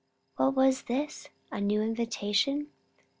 What was this? a new invitation?